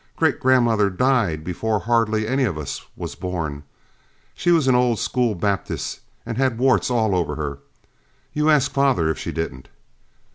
Great grandmother died before hardly any of us was born she was an Old School Baptist and had warts all over her you ask father if she didn't.